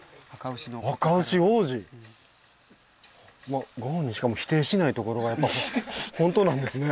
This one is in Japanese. まあご本人しかも否定しないところがやっぱり本当なんですね。